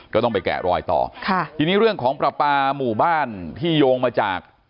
ก็ต้องไปแกะรอยต่อค่ะทีนี้เรื่องของปลาปลาหมู่บ้านที่โยงมาจาก